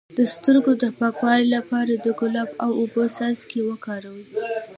د سترګو د پاکوالي لپاره د ګلاب او اوبو څاڅکي وکاروئ